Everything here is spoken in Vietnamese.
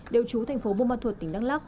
đều trú thành phố bô ma thuật tỉnh đắk lắc